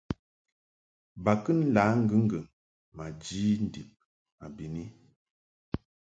Ba kɨ la ŋgɨŋgɨŋ manji ndib ma bɨni.